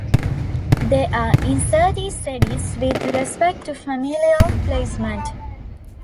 They are "incertae sedis" with respect to familial placement.